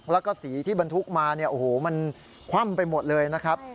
แล้วก็สีที่บรรทุกมาเนี่ยโอ้โหมันคว่ำไปหมดเลยนะครับ